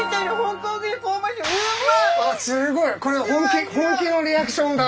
すごいこれ本気本気のリアクションだ。